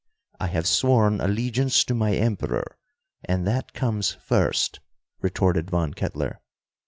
"I have sworn allegiance to my Emperor, and that comes first," retorted Von Kettler.